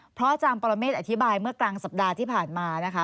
เพราะอาจารย์ปรเมฆอธิบายเมื่อกลางสัปดาห์ที่ผ่านมานะคะ